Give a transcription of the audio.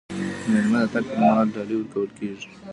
د میلمه د تګ پر مهال ډالۍ ورکول کیږي.